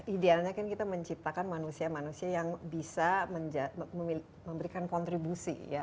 idealnya kan kita menciptakan manusia manusia yang bisa memberikan kontribusi ya